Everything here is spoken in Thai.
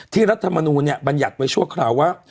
ที่รัฐมนุมเนี่ยบรรยักไว้ชั่วคราวว่า